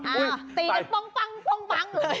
อ้าวตีได้ปองเลย